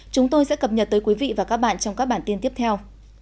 chúng tôi sẽ cập nhật tới quý vị và các bạn trong các bản tin tiếp theo